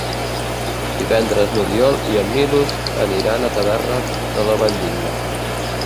Divendres n'Oriol i en Milos aniran a Tavernes de la Valldigna.